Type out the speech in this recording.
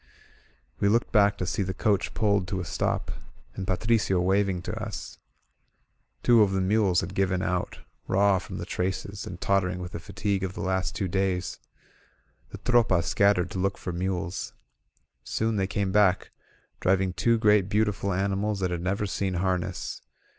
••• We looked back to see the coach pulled to a stop, and Patricio waving to us. Two of the mules had given out, raw from the traces, and tottering with the 43 INSURGENT MEXICO fatigue of the last two days. The Tropa scattered to look for mules. Soon they came back, driving two great beautiful animals that had never seen harness.